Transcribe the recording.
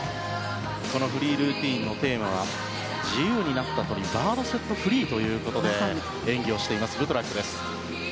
このフリールーティンのテーマは自由になった鳥ということで演技をしているブトラック。